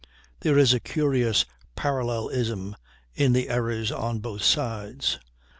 There is a curious parallelism in the errors on both sides.